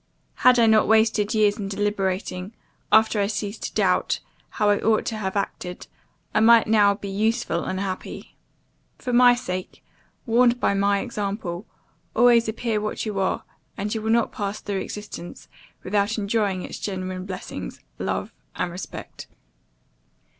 Had I not wasted years in deliberating, after I ceased to doubt, how I ought to have acted I might now be useful and happy. For my sake, warned by my example, always appear what you are, and you will not pass through existence without enjoying its genuine blessings, love and respect.